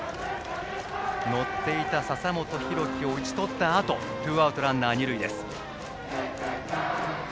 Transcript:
乗っていた笹本裕樹を打ち取ったあとツーアウトランナー、二塁です。